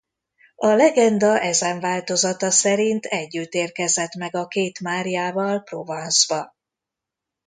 A legenda ezen változata szerint együtt érkezett mag a két Máriával Provence-ba.